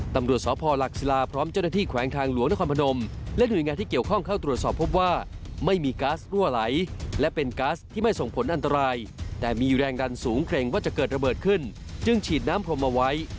ตำรวจสพหลักศิลาพร้อมเจ้าหน้าที่แขวงทางหลวงนครพนมและหน่วยงานที่เกี่ยวข้องเข้าตรวจสอบพบว่าไม่มีก๊าซรั่วไหลและเป็นก๊าซที่ไม่ส่งผลอันตรายแต่มีแรงดันสูงเกรงว่าจะเกิดระเบิดขึ้นจึงฉีดน้ำพรมเอาไว้